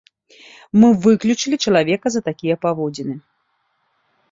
Мы выключылі чалавека за такія паводзіны.